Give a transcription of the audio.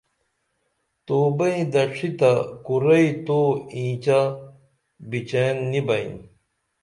تو بئیں دڇھی تہ کرُئی تو اینچہ بچئیں نی بئین